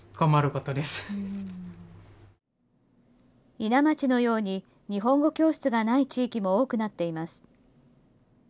伊奈町のように日本語教室がない地域も多くなっています。